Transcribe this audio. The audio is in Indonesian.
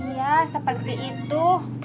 iya seperti itu